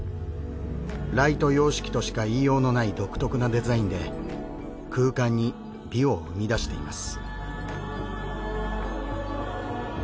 ライト様式としか言いようのない独特なデザインで空間に美を生み出しています。